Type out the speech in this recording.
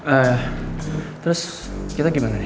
eh terus kita gimana nih